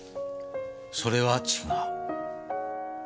それは違う。